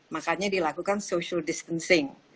makanya dilakukan social distancing